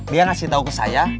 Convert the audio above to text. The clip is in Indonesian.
dia ngasih tahu ke saya